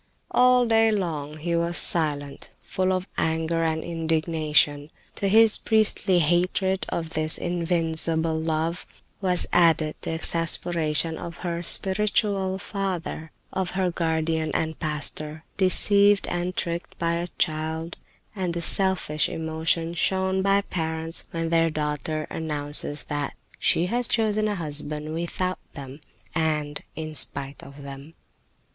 All day long he was silent, full of anger and indignation. To his priestly hatred of this invincible love was added the exasperation of her spiritual father, of her guardian and pastor, deceived and tricked by a child, and the selfish emotion shown by parents when their daughter announces that she has chosen a husband without them, and in spite of them.